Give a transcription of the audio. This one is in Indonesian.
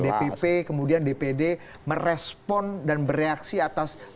dpp kemudian dpd merespon dan bereaksi atas problematik ini